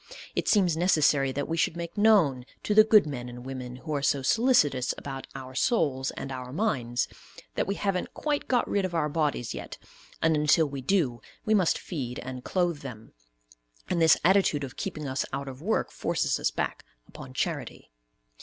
It seems necessary that we should make known to the good men and women who are so solicitous about our souls, and our minds, that we haven't quite got rid of our bodies yet, and until we do, we must feed and clothe them; and this attitude of keeping us out of work forces us back upon charity.